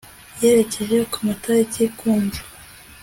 Yerekeje ku matariki ku mva